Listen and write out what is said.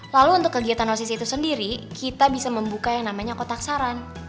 lalu untuk kegiatan osis itu sendiri kita bisa membuka yang namanya kotak saran